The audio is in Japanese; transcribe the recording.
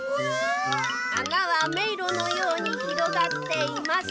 「あなはめいろのようにひろがっています。